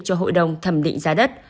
cho hội đồng thẩm định giá đất